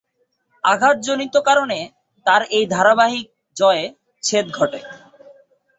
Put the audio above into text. আঘাতজনিত কারণে তার এই ধারাবাহিক জয়ে ছেদ ঘটে।